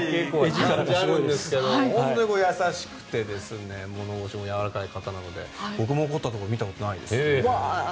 本当に優しくて物腰も柔らかい方なので僕も怒ったところ見たことないです。